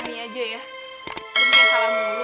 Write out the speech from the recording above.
umi salah mulu